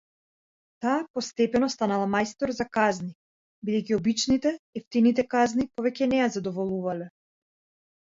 Таа постепено станала мајстор за казни, бидејќи обичните, евтините казни повеќе на ја задоволувале.